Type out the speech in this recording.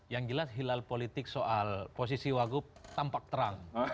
yang jelas hilal politik soal posisi wagub tampak terang